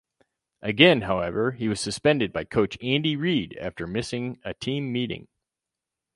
Again however, he was suspended by Coach Andy Reid after missing a team meeting.